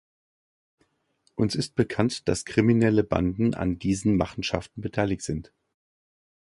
Uns ist bekannt, dass kriminelle Banden an diesen Machenschaften beteiligt sind.